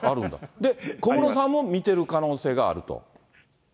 で、小室さんも見てる可能性があると。